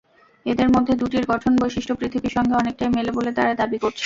এদের মধ্যে দুটির গঠন-বৈশিষ্ট্য পৃথিবীর সঙ্গে অনেকটাই মেলে বলে তাঁরা দাবি করছেন।